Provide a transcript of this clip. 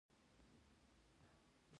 سوله او ورورولي د انسانانو د نیکمرغۍ لامل ده.